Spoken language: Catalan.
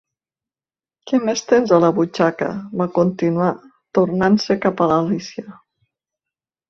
"Què més tens a la butxaca?" va continuar, tornant-se cap a Alícia.